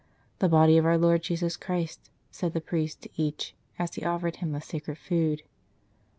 "The Body of Our Lord Jesus Christ," said the priest to each, as he offered him the sacred food.